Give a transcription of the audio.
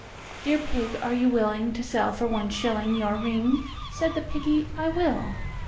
III. "Dear Pig, are you willing to sell for one shilling Your ring?" Said the Piggy, "I will."